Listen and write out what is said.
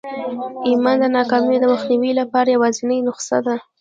ایمان د ناکامۍ د مخنیوي لپاره یوازېنۍ نسخه ده